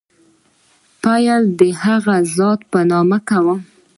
پیل د هغه ذات په نامه کوم.